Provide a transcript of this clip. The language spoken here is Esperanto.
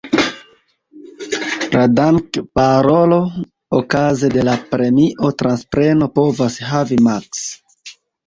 La dank-"parolo" okaze de la premio-transpreno povas havi maks.